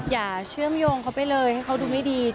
อย่าเชื่อมโยงเขาไปเลยให้เขาดูไม่ดี